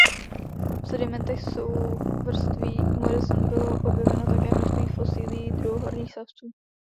V sedimentech souvrství Morrison bylo objeveno také množství fosilií druhohorních savců.